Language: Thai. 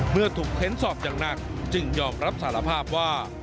เมื่อถูกเค้นสอบอย่างหนักจึงยอมรับสารภาพว่า